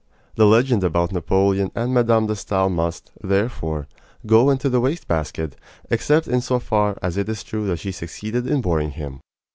The legend about Napoleon and Mme. de Stael must, therefore, go into the waste basket, except in so far as it is true that she succeeded in boring him.